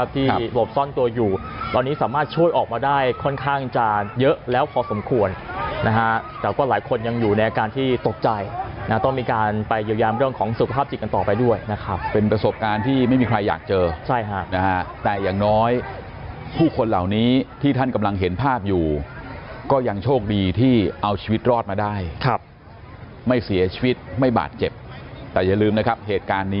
ที่หลบซ่อนตัวอยู่ตอนนี้สามารถช่วยออกมาได้ค่อนข้างจะเยอะแล้วพอสมควรนะฮะแต่ก็หลายคนยังอยู่ในอาการที่ตกใจนะต้องมีการไปเยียวยามเรื่องของสุขภาพจิตกันต่อไปด้วยนะครับเป็นประสบการณ์ที่ไม่มีใครอยากเจอใช่ฮะนะฮะแต่อย่างน้อยผู้คนเหล่านี้ที่ท่านกำลังเห็นภาพอยู่ก็ยังโชคดีที่เอาชีวิตรอดมาได้ไม่เสียชีวิตไม่บาดเจ็บแต่อย่าลืมนะครับเหตุการณ์นี้